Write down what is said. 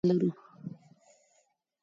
خو موږ توپیري ارزښت او چلند لرو.